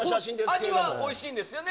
味はおいしいんですよね？